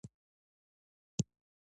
سیلانیان په ډاډه زړه هیواد ته سفر کوي.